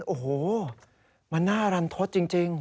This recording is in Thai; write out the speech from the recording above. โอ้โหมันน่ารันทศจริง